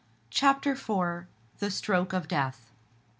CHAPTER IV. THE STROKE OF DEATH.